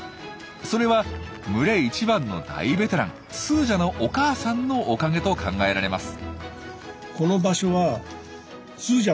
それは群れ一番の大ベテランスージャのお母さんのおかげと考えられます。